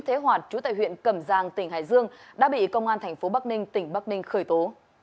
tại huyện cẩm giang tỉnh hải dương đã bị công an tp bắc ninh tỉnh bắc ninh khởi tố